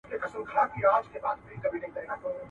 ته احمق یې خو له بخته ګړندی یې.